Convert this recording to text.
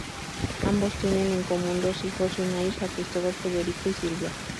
Ambos tienen en común dos hijos y una hija: Cristóbal, Federico y Silvia.